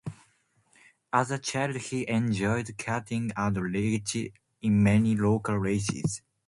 As a child he enjoyed Karting and raced in many local races.